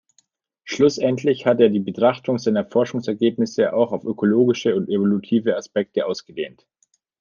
Schlussendlich hat er die Betrachtung seiner Forschungsergebnisse auch auf ökologische und evolutive Aspekte ausgedehnt.